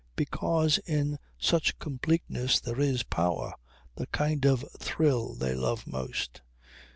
Because in such completeness there is power the kind of thrill they love most